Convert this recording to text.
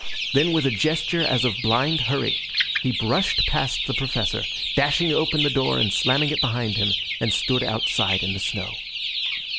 Then with a gesture as of blind hurry, he brushed past the Professor, dashing open the door and slamming it behind him, and stood outside in the snow.